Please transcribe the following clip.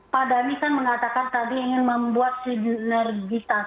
pak dhani kan mengatakan tadi ingin membuat siginergitas